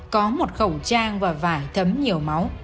có một khẩu trang và vải thấm nhiều máu